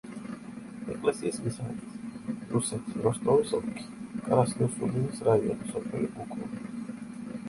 ეკლესიის მისამართი: რუსეთი, როსტოვის ოლქი, კრასნოსულინის რაიონი, სოფელი გუკოვო.